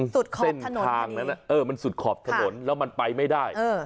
สุดขอบถนนทางนั้นเออมันสุดขอบถนนค่ะแล้วมันไปไม่ได้เออ